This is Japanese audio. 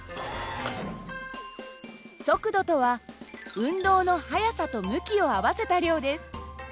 速度とは運動の速さと向きを合わせた量です。